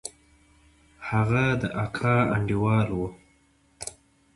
هغه د اکا انډيوال و.